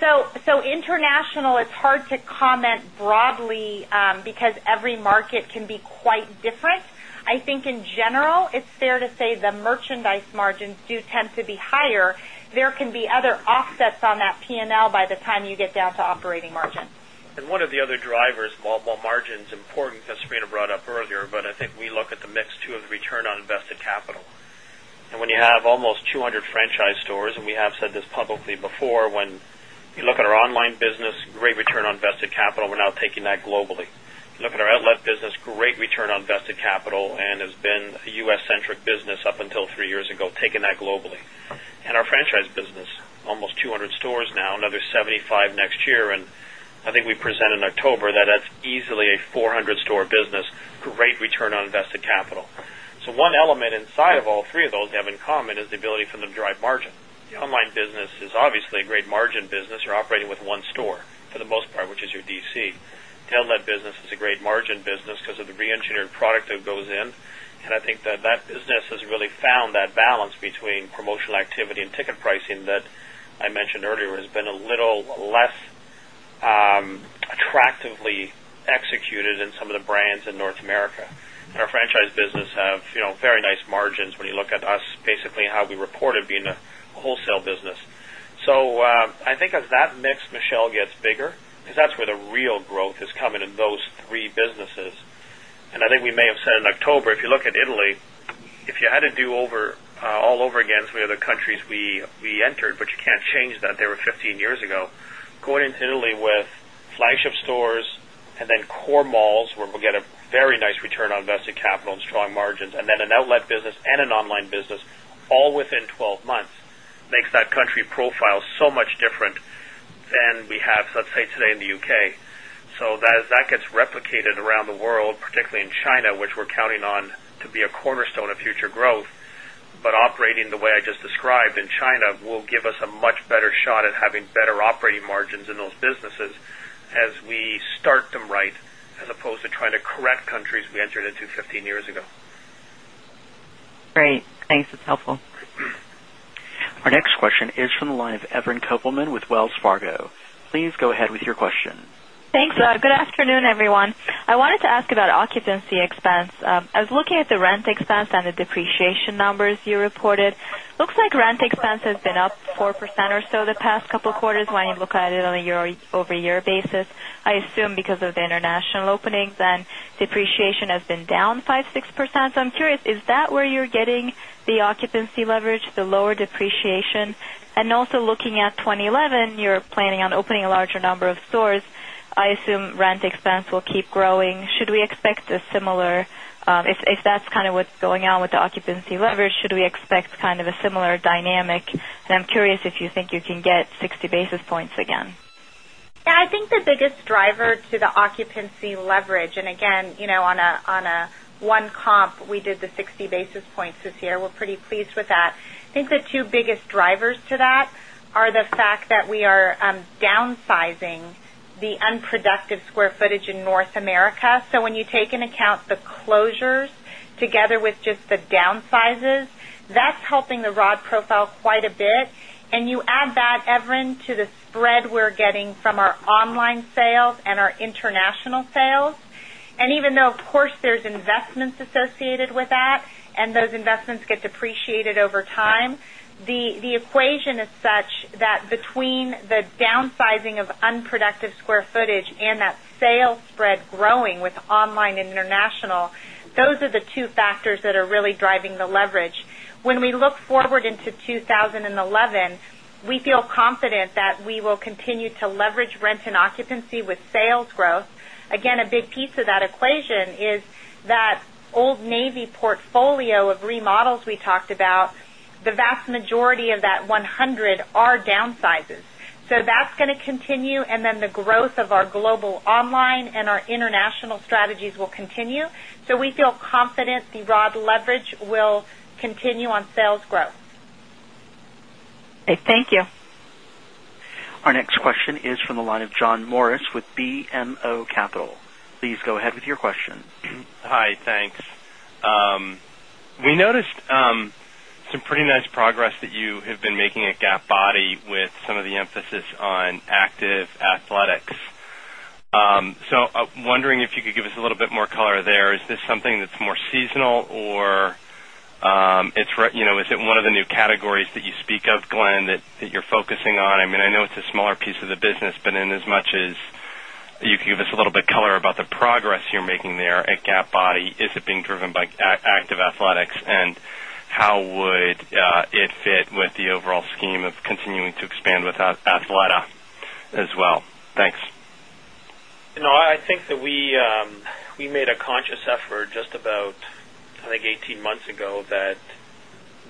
So international, it's hard to comment broadly, because every market can be quite different. I think in general, it's fair to say the merchandise margins do tend to be higher. There can be other offsets on that P and L by the time you get down invested capital, we're now taking that globally. If you look at our outlet business, great return on invested capital and has been a U. S. Centric business up until 3 years ago, taking that globally. And our franchise business, almost 200 stores now, another 75 next year. And I think we present in October that that's easily a 400 store business, great return on invested capital. So one element inside of all three of those we have in common is the ability for them to drive margin. The online business is obviously a great margin business, you're operating with 1 store for the most part, which is your D. Telnet business is a great margin business because of the reengineering product that goes in. And I think that business has really found that balance between promotional activity and ticket pricing that I mentioned earlier has been a little less attractively executed in some of the brands in North America. And our franchise business have very nice margins when you look at us basically how we reported being a wholesale business. So I think as that mix, Michelle, gets bigger, because that's where the real growth is coming in those three businesses. And I think we may have said in October, if you look at Italy, if you had to do over all over again, so we have the countries we entered, but you can't change that they were 15 years ago. Going into Italy with flagship stores and then core malls where we'll get a very nice return on invested capital and strong margins and then an outlet business and an online business all within 12 months make that country profile so much different than we have, let's say, today in the U. K. So that gets replicated around the world, particularly in China, which we're counting on to be a cornerstone of future growth. But operating the way I just described in China will give us a much better shot at having better operating margins in those businesses as we start them right as opposed to trying to correct countries we entered into 15 years ago. Our next question is from the line of Evelyn Kopelman with Wells Fargo. Please go ahead with your question. Thanks. Good afternoon, everyone. I wanted to ask about occupancy expense. I was looking at the rent expense and the depreciation numbers you reported. Looks like rent expense has been up 4% or so the past couple of quarters when you look at it on a year over year basis. I assume because of the international openings and depreciation has been down 5%, 6%. So I'm curious, is that where you're getting the occupancy leverage, the lower depreciation? And also looking at 2011, you're planning on opening a larger number of stores. I assume rent expense will keep growing. Should we expect a similar if that's kind of what's going on with the occupancy leverage, should we expect kind of a similar dynamic? And I'm curious if you think you can get 60 basis points again? Yes. I think the biggest driver to the occupancy leverage, and again, on a one comp, we did the 60 basis points this year. We're pretty pleased with that. I think the 2 biggest drivers to that the fact that we are downsizing the unproductive square footage in North America. So when you take in account the closures together with just the downsizes, that's helping the rod profile quite a bit. And you add that, Evren, to the spread we're getting from our online sales and our international sales. And even though, of course, there's investments associated with that and those investments get depreciated over time, The equation is such that between the downsizing of unproductive square footage and that sales spread growing with online international, those are the two factors that are really driving the leverage. When we look forward into 2011, we feel confident that we will continue to leverage rent and occupancy with sales growth. Again, a big piece of that equation is that Old Navy portfolio of remodels we talked about, the vast majority of that one Our next question is from the line of John Morris with BMO Capital. Please go ahead with your question. Hi, thanks. We noticed some pretty nice progress that you have making at Gap Body with some of the emphasis on active athletics. So I'm wondering if you could give us a little bit more color there. Is this something that's more seasonal or is it one of the new categories that you speak of, Glenn, that you're focusing on? I mean, I know it's a smaller piece of the business, but in as much as you can give us a little bit color about the progress you're making there at Gap Body, is it being driven by active athletics? And how would it fit with the overall scheme of continuing to expand with Athleta as well? Thanks. I think that we made a conscious effort just about, I think, 18 months ago that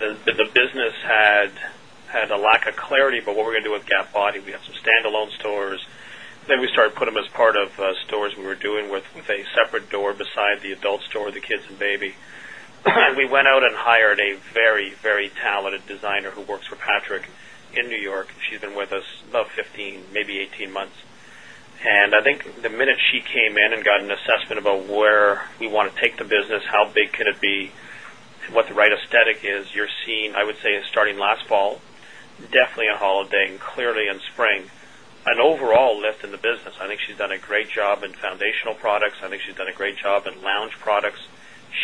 the business had a lack of clarity, but what we're going to do with Gap Body. We have some standalone stores, then we started putting them as part of stores we were doing with a separate door beside the adult store, the kids and baby. And we went out and hired a very, very talented designer who works for Patrick in New York. She's been with us about 15, maybe 18 months. And I think the minute she came in and got an assessment about where we want to take the business, how big could it be, what the right aesthetic is, you're seeing, I would say, starting last fall, definitely a holiday and clearly in spring, an overall lift in the business. I think she's done a great job in foundational products. I think she's done a great job in lounge products.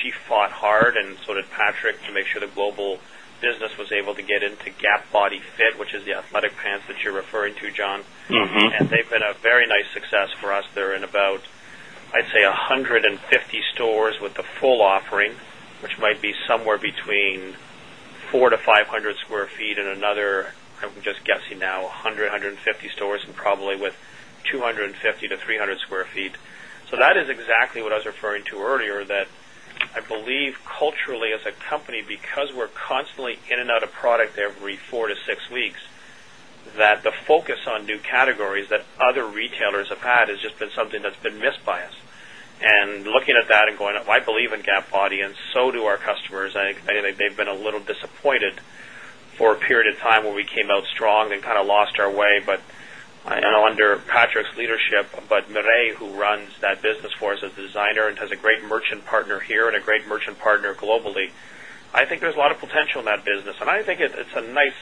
She fought hard and so did Patrick to make sure the global business was able to get into Gap Body Fit, which is the athletic pants that you're referring to, John. And they've been a very nice success for us. They're in about, I'd say 150 stores with the full offering, which might be somewhere between 400 to 500 square feet and another, I'm just guessing now 100, 150 stores and probably with 250 to 300 square feet. So that is exactly what I was referring to earlier that I believe culturally as a company because we are constantly in and out of product every 4 to 6 weeks that the focus on new categories that other retailers have had has just been something that's been missed by us. And looking at that and going, I believe in Gap Body and so do our customers. I think they've been a little disappointed for a period of time where we came out strong and kind of lost our way. But I know under Patrick's leadership, but Mireille who runs that business for us as a designer and has a great merchant partner here and a great merchant partner globally, I think there's a lot of potential in that business. And I think it's a nice,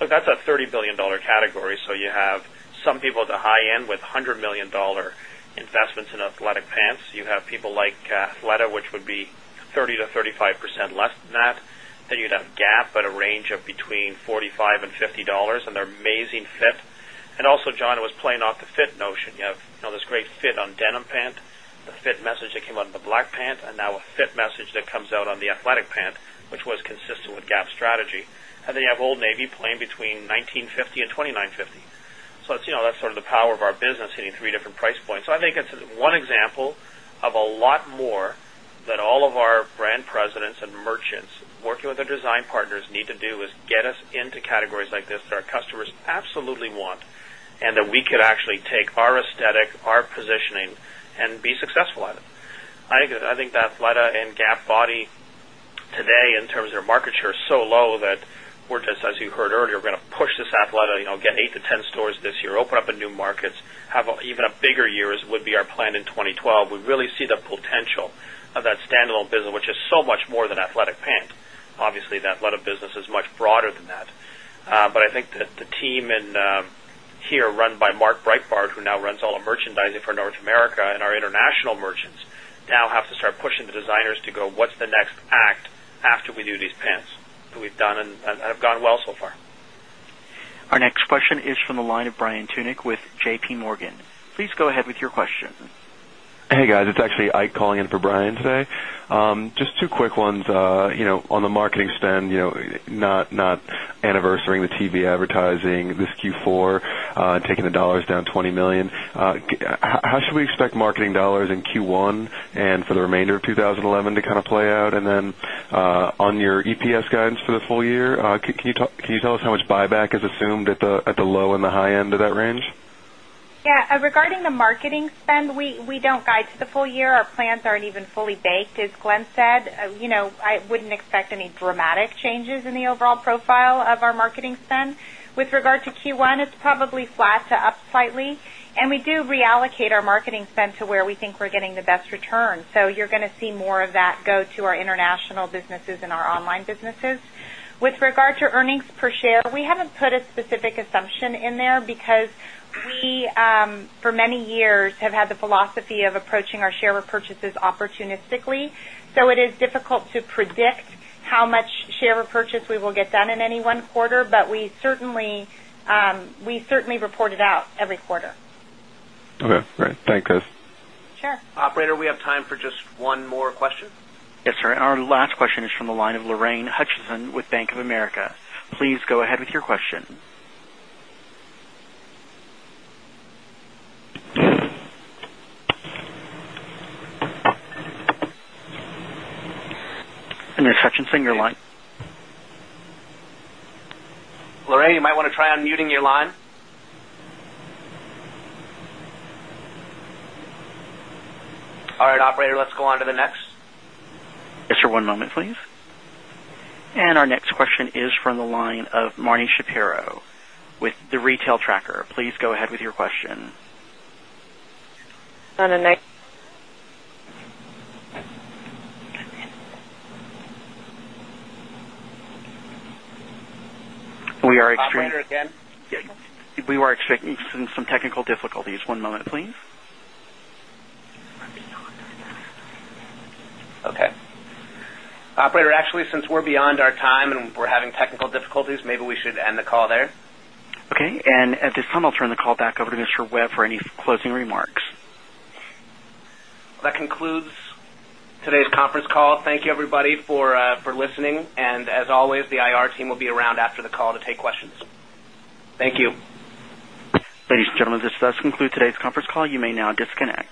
look, that's a CAD30 1,000,000,000 category. So you have some people at the high end with CAD100 1,000,000 investments in athletic pants. You have people like Athleta, which would be 30% to 35% less than that. Then you'd have GAAP at a range of between CAD45 1,000,000 and 50 dollars and they're amazing fit. And also John was playing off the fit notion. You have this great fit on denim pant, the fit message that came out in the black pant and now a fit message that comes out on the athletic pant, which was consistent with Gap strategy. And then you have Old Navy playing between $19.50 and and 2,950. So that's sort of the power of our business hitting 3 different price points. So I think it's one example of a lot more that all of our brand presidents and merchants working with our design partners need to do is get us into categories like this that our customers absolutely want and that we could actually Body today in terms of their market share is so low that we're just as you heard earlier, we're going to push this Athleta, get 8 to 10 stores this year, open up a new markets, have even a bigger year as would be our plan in 2012. We really see the potential of that standalone business, which is so much more than athletic pant. Obviously, that lot of business is much broader than that. But I think that the team here run by Mark Breitbart, who now runs all the merchandising for North America and our international merchants now have to start pushing the designers to go what's the next act after we do these pants that we've done and have gone well so far. Our next question is from the line of Brian Tunic with JPMorgan. Please go ahead with your question. Hey guys, it's actually Ike calling in for Brian today. Just two quick ones, on the marketing spend, not anniversarying the TV advertising this Q4, taking the dollars down $20,000,000 How should we expect marketing dollars in Q1 and for the remainder of 2011 to kind of play out? And then on your EPS guidance for the full year, can you tell us how much buyback is assumed at the low and the high end of that range? Yes. Regarding the marketing spend, we don't guide to the full year. Our plans aren't even fully baked. As Glenn said, I wouldn't expect any dramatic changes in the overall profile of our marketing spend. With regard to Q1, changes in the overall profile of our marketing spend. With regard to Q1, it's probably flat to up slightly. And we do reallocate our marketing spend to where we think we're getting the best return. So you're going to see more of that go to our international businesses and our online businesses. With regard to earnings per share, we haven't put a specific date on businesses. With regard to earnings per share, we haven't put a specific assumption in there because we, for many years, have had the philosophy of approaching our share repurchases opportunistically. So it is difficult to predict how much share repurchase we will get done in any 1 quarter, but we certainly report it out every quarter. Okay, great. Thanks guys. Sure. Operator, we have time for just one more question. Yes, sir. Our last question is from the line of Lorraine Hutchinson with Bank of America. Please go ahead with your question. And your And our next question is from the line of Marni Shapiro with The Retail Tracker. Please go ahead with your question. We are expecting some technical difficulties. One moment, please. Okay. Operator, actually since we are beyond our time and we are having technical difficulties, maybe we should end the call there. Okay. And at this time, I will turn the call over to Mr. Webb for any closing remarks. That concludes today's conference call. Thank you everybody for listening. And as always, the IR team will be around after the call to take questions. Thank you. Ladies and gentlemen, this does conclude today's conference call. You may now disconnect.